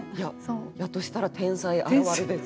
やとしたら天才現るです。